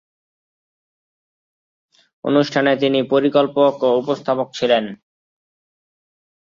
অনুষ্ঠানের তিনি পরিকল্পক ও উপস্থাপক ছিলেন।